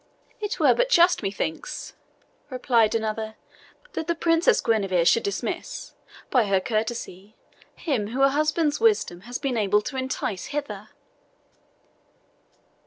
"It were but justice, methinks," replied another, "that the Princess Guenever should dismiss, by her courtesy, him whom her husband's wisdom has been able to entice hither."